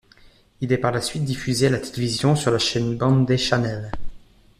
Il est par la suite diffusé à la télévision sur la chaîne Bandai Channel.